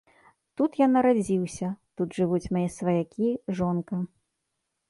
Тут я нарадзіўся, тут жывуць мае сваякі, жонка.